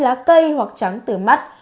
lá cây hoặc trắng từ mắt